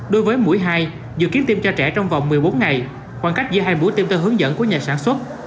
đối với mũi hai dự kiến tiêm cho trẻ trong vòng một mươi bốn ngày khoảng cách giữa hai buổi tiêm theo hướng dẫn của nhà sản xuất